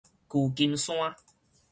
舊金山